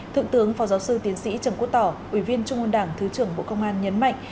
thượng tướng phó giáo sư tiến sĩ trần quốc tỏ ủy viên trung ương đảng thứ trưởng bộ công an nhấn mạnh